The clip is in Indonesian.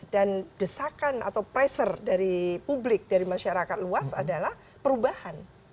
dan desakan atau pressure dari publik dari masyarakat luas adalah perubahan